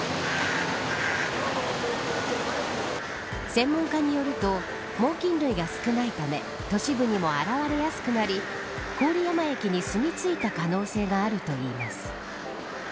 専門家によると猛きん類が少ないため都市部にも現れやすくなり郡山駅に住み着いた可能性があるといいます。